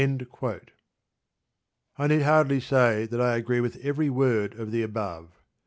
I need hardly say that I agree with every word of the above.